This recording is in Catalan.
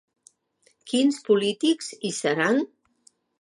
Quins polítics hi seran?